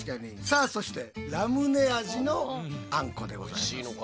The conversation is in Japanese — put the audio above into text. さあそしてラムネ味のあんこでございます。